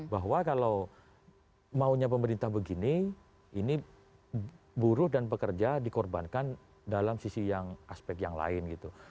bahwa kalau maunya pemerintah begini ini buruh dan pekerja dikorbankan dalam sisi yang aspek yang lain gitu